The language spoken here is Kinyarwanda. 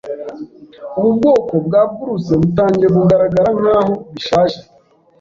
Ubu bwoko bwa blouse butangiye kugaragara nkaho bishaje.